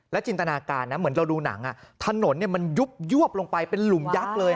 จินตนาการนะเหมือนเราดูหนังถนนมันยุบยวบลงไปเป็นหลุมยักษ์เลย